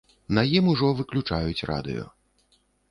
На ім ужо выключаюць радыё.